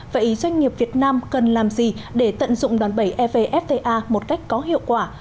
vậy doanh nghiệp việt nam cần làm gì để tận dụng đòn bẩy evfta một cách có hiệu quả